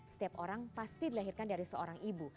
setiap orang pasti dilahirkan dari seorang ibu